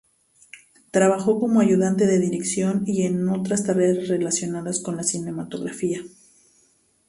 Trabajó como ayudante de dirección y en otras tareas relacionadas con la cinematografía.